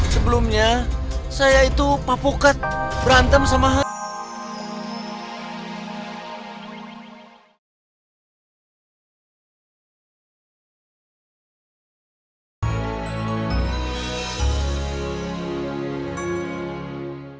sebelumnya saya itu papukat berantem sama halnya